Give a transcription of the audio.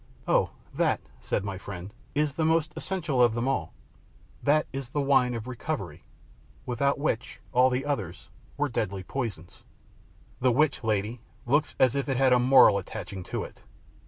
"Oh, that," said my friend, "is the most essential of them all that is the wine of recovery, without which all the others were deadly poisons." "The which, lady, looks as if it had a moral attaching to it."